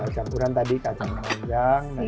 campuran tadi kacang panjang